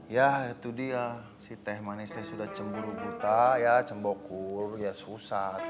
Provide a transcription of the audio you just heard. ya itu dia si teh manisnya sudah cemburu buta ya cembokur ya susah